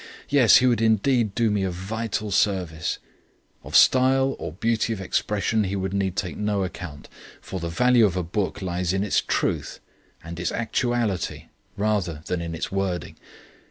Yes, he would indeed do me a vital service! Of style or beauty of expression he would need to take no account, for the value of a book lies in its truth and its actuality rather than in its wording.